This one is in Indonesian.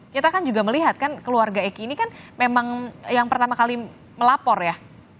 kita kan juga melihat kan keluarga eki ini kan memang yang pertama kali melapor ya